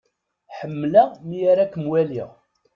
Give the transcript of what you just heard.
Ḥemmleɣ mi ara akem-waliɣ.